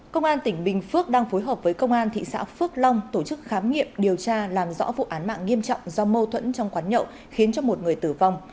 công an tỉnh bình phước đang phối hợp với công an thị xã phước long tổ chức khám nghiệm điều tra làm rõ vụ án mạng nghiêm trọng do mâu thuẫn trong quán nhậu khiến cho một người tử vong